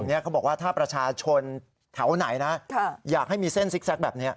เขาบอกว่าถ้าประชาชนแถวไหนนะอยากให้มีเส้นซิกแก๊กแบบนี้